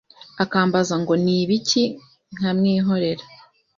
akambaza ngo ni ibiki nkamwihorera